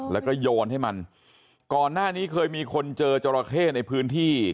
แล้วก็โยนให้มันก่อนหน้านี้เคยมีคนเจอจราเข้ในพื้นที่